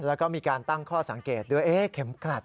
แล้วก็มีการตั้งข้อสังเกตด้วยเข็มกลัด